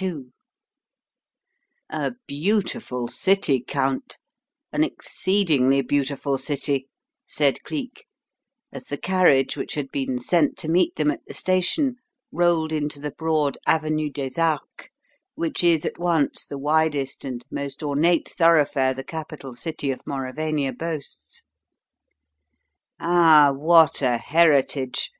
II "A beautiful city, Count an exceedingly beautiful city," said Cleek, as the carriage which had been sent to meet them at the station rolled into the broad Avenue des Arcs, which is at once the widest and most ornate thoroughfare the capital city of Mauravania boasts. "Ah, what a heritage!